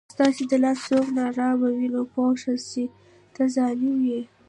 که ستا له لاسه څوک ناارام وي، نو پوه سه چې ته ظالم یې